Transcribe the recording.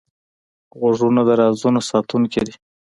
غوږونه د رازونو ساتونکی وي